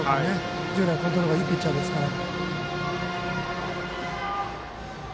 従来、コントロールがいいピッチャーですから。